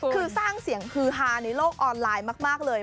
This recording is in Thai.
คือสร้างเสียงฮือฮาในโลกออนไลน์มากเลย